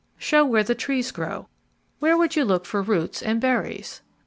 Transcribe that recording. _ Show where the trees grow. _Where would you look for the roots and berries?